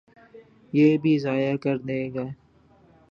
یہ بھی ضائع کر دیں گے۔